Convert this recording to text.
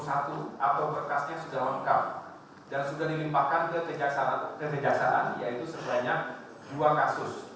atau berkasnya sudah lengkap dan sudah dilimpahkan kekejaksaanan yaitu sebenarnya dua kasus